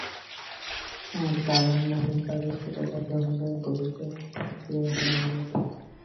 আর Carver নামের কারো সাথে দেখা হলে, বুঝবে সে হারামজাদা।